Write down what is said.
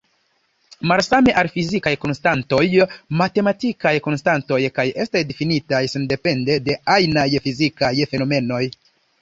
Malsame al fizikaj konstantoj, matematikaj konstantoj estas difinitaj sendepende de ajnaj fizikaj fenomenoj.